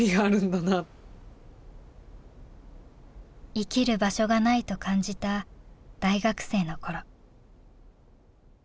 生きる場所がないと感じた大学生の頃。